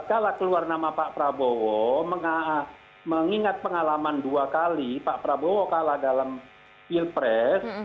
kalau keluar nama pak prabowo mengingat pengalaman dua kali pak prabowo kalah dalam pilpres